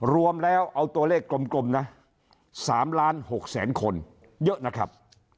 รวมแล้วเอาตัวเลขกลมนะ๓ล้าน๖แสนคนเยอะนะครับ